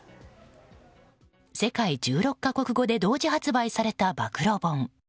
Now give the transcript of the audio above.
世界１６か国語で同時発売された暴露本。